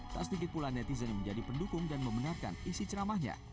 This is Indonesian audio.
tak sedikit pula netizen menjadi pendukung dan membenarkan isi ceramahnya